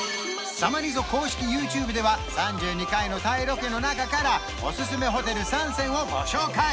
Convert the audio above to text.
「さまリゾ」公式ＹｏｕＴｕｂｅでは３２回のタイロケの中からおすすめホテル３選をご紹介！